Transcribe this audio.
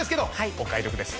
お買い得です